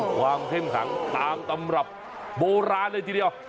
อ๋อเหรอเค็มขังตามตำรับโบราณเลยทีเดียว